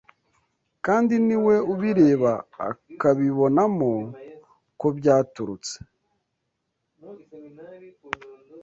kandi ni we ubireba akabibonamo ko byaturutse